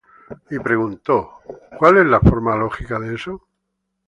Y preguntó: '¿Cuál es la forma lógica de eso?